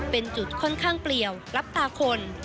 เป็นจุดค่อนข้างเปลี่ยวรับตาคน